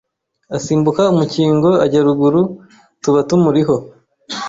asimbuka umukingo ajya ruguru tuba tumuriho